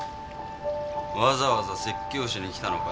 わざわざ説教しに来たのか？